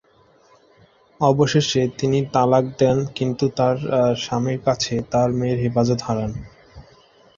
অবশেষে তিনি তাকে তালাক দেন, কিন্তু তার স্বামীর কাছে তার মেয়ের হেফাজত হারান।